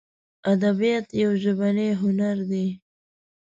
ادبیات یو ژبنی هنر دی.